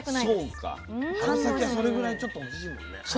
そうか春先はそれぐらいちょっと欲しいもんね。